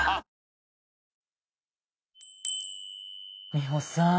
美穂さん